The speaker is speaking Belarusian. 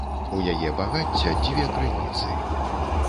У яе багацця дзве крыніцы.